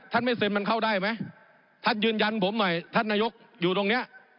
ไม่เซ็นมันเข้าได้ไหมท่านยืนยันผมหน่อยท่านนายกอยู่ตรงเนี้ย